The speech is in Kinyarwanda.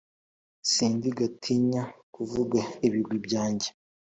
Si ndi agatinya kuvuga ibigwi byanjye.